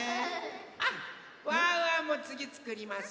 あっワンワンもつぎつくります。